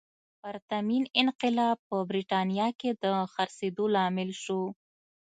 پرتمین انقلاب په برېټانیا کې د څرخېدو لامل شو.